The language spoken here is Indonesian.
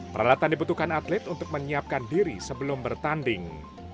peralatan dibutuhkan atlet untuk menyiapkan diri sebelum bertanding